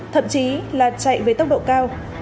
thậm chí là chạy với tốc độ cao